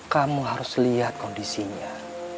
kamu harus lihat kondisinya